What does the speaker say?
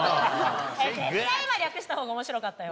絶対今略した方が面白かったよ